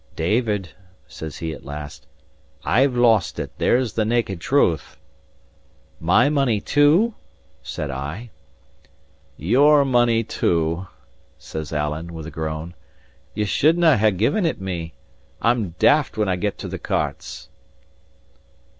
"David," says he at last, "I've lost it; there's the naked truth." "My money too?" said I. "Your money too," says Alan, with a groan. "Ye shouldnae have given it me. I'm daft when I get to the cartes."